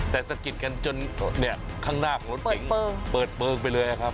แต่สะกิดกันจนข้างหน้าของรถเก๋งเปิดเปลืองไปเลยครับ